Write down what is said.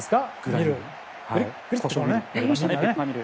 ミル。